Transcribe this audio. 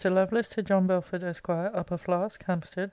LOVELACE, TO JOHN BELFORD, ESQ. UPPER FLASK, HAMPSTEAD.